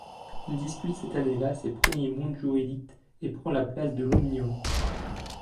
Il dispute cette année-là ses premiers mondiaux élites et prend la place de l'omnium.